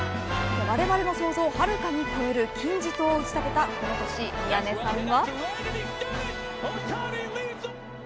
われわれの想像をはるかに超える金字塔を打ち立てたこの年、宮根さんは。